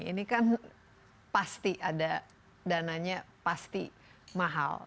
ini kan pasti ada dananya pasti mahal